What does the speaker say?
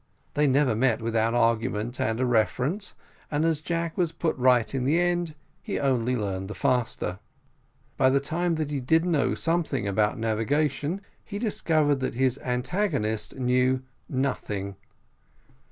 They never met without an argument and a reference, and as Jack was put right in the end, he only learned the faster. By the time that he did know something about navigation he discovered that his antagonist knew nothing.